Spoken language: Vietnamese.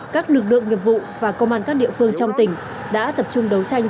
các lực lượng nghiệp vụ và công an các địa phương trong tỉnh đã tập trung đấu tranh